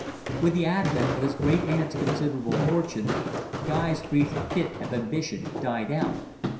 With the advent of his great aunt's considerable fortune, Guy's brief fit of ambition died out.